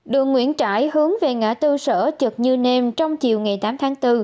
đường nguyễn trãi hướng về ngã tư sở trực như nem trong chiều ngày tám tháng bốn